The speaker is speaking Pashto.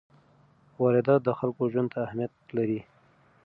واردات د خلکو ژوند ته اهمیت لري.